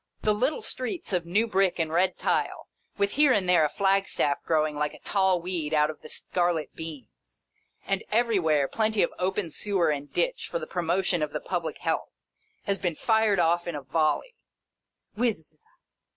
Whirr ! The little streets of new brick and red tile, with here and there a flagstaff growing like a tall weed out of the scarlet beans, and, everywhere, plenty of open sewer and ditch for the pro motion of the public health, have been fired off in a volley. Whizz